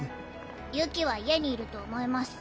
ユキは家にいると思います。